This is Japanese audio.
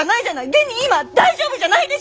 現に今大丈夫じゃないでしょ！？